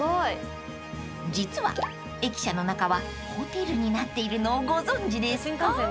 ［実は駅舎の中はホテルになっているのをご存じですか？］